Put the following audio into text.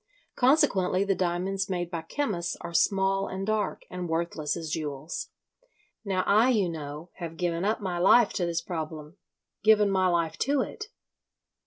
Consequently the diamonds made by chemists are small and dark, and worthless as jewels. Now I, you know, have given up my life to this problem—given my life to it.